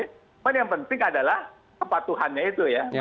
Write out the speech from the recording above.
cuman yang penting adalah kepatuhannya itu ya